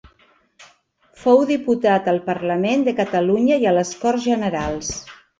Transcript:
Fou diputat al Parlament de Catalunya i a les Corts Generals.